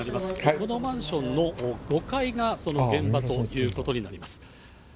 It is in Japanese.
このマンションの５階がその現場ということになります。